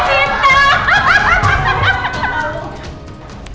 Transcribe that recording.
habis berjaya cinta